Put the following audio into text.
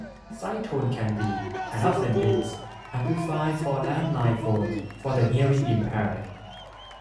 Sidetone can be, and often is, amplified for land-line phones for the hearing impaired.